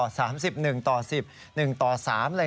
๑ต่อ๓อะไรแบบนี้นะครับ